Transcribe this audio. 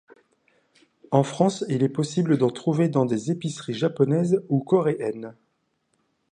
En France, il est possible d'en trouver dans des épiceries japonaises ou coréennes.